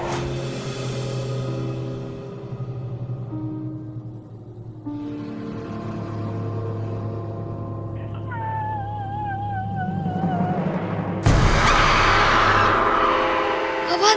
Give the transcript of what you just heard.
itu itu tidak bisa berhasil